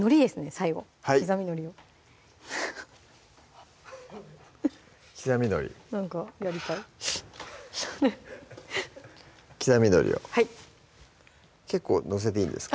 最後はい刻みのりを刻みのりなんかやりたい刻みのりをはい結構載せていいんですか？